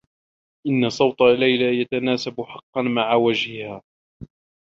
إنّ صوت ليلى يتناسب حقّا مع وجهها.